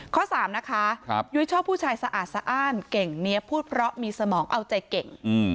ข้อ๓นะคะยุ้ยชอบผู้ชายสะอาดสะอ้านเก่งเนี๊ยพูดเพราะมีสมองเอาใจเก่ง